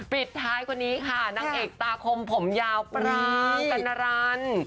ปิดท้ายคนนี้ค่ะนางเอกตาคมผมยาวปรางกัณรัน